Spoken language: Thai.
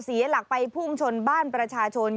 เสียหลักไปพุ่งชนบ้านประชาชน